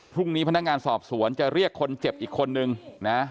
พรุ่งนี้พนักงานสอบสวนจะเรียกคนเจ็บอีกคนนึงนะ